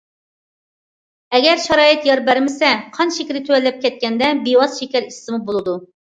ئەگەر شارائىت يار بەرمىسە، قان شېكىرى تۆۋەنلەپ كەتكەندە، بىۋاسىتە شېكەر ئىچسىمۇ بولىدۇ.